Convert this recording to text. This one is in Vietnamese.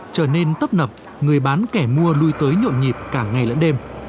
trở nên tấp nập người bán kẻ mua lui tới nhộn nhịp cả ngày lẫn đêm